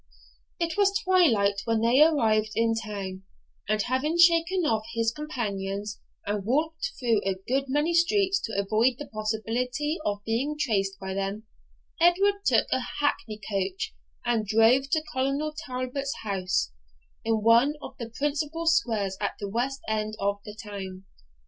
Itwas twilight when they arrived in town; and having shaken off his companions, and walked through a good many streets to avoid the possibility of being traced by them, Edward took a hackney coach and drove to Colonel Talbot's house, in one of the principal squares at the west end of the town.